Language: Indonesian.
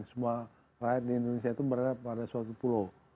karena rakyat di indonesia itu berada pada suatu pulau